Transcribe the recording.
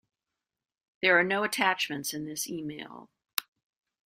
There are no attachments in this email.